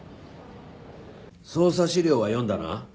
捜査資料は読んだな？